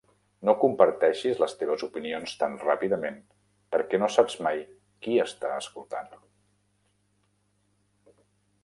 No comparteixis les teves opinions tan ràpidament perquè no saps mai qui està escoltant.